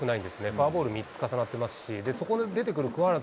フォアボール３つ重なってますし、そこで出てくる